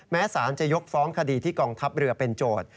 สารจะยกฟ้องคดีที่กองทัพเรือเป็นโจทย์